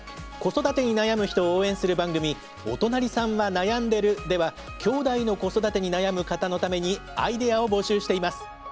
子育てに悩む人を応援する番組「おとなりさんはなやんでる。」ではきょうだいの子育てに悩む方のためにアイデアを募集しています。